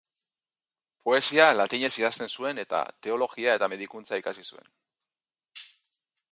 Poesia latinez idazten zuen eta teologia eta medikuntza ikasi zuen.